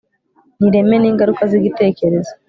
ni ireme n'ingaruka z'igitekerezo